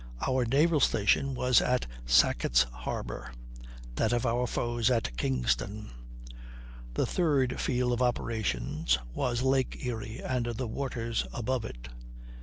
Our naval station was at Sackett's Harbor; that of our foes at Kingston. The third field of operations was Lake Erie and the waters above it.